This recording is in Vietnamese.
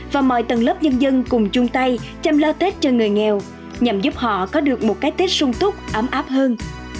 và mọi tầng lớp nhân dân cùng chung tay chăm lo tết cho người nghèo nhằm giúp họ có được một cái tết sung túc ấm áp hơn